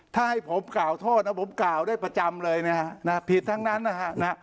ถ้าให้ผมกล่าวโทษนะผมกล่าวได้ประจำเลยนะฮะผิดทั้งนั้นนะฮะ